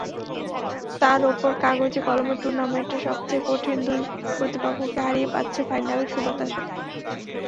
তার ওপর কাগজে-কলমে টুর্নামেন্টের সবচেয়ে কঠিন দুই প্রতিপক্ষকে হারিয়ে পাচ্ছে ফাইনালের সুবাতাসও।